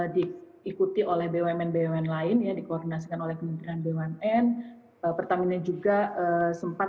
diikuti oleh bumn bumn lain ya dikoordinasikan oleh kementerian bumn pertamina juga sempat